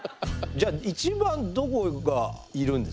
じゃあ一番どこがいるんですか？